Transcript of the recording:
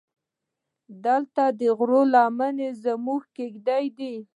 دلته دې د غرو لمنې زموږ کېږدۍ دي.